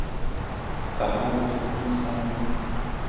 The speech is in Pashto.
سهار د سکون ساه ده.